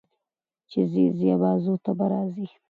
چې ځې ځې ابازو ته به راځې